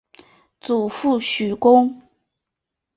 祖父许恭。